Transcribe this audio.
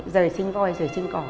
giờ sinh voi giờ sinh cỏ